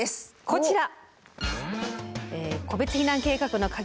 こちら。